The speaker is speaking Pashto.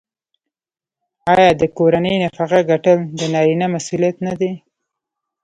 آیا د کورنۍ نفقه ګټل د نارینه مسوولیت نه دی؟